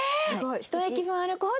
「１駅分歩こう」って。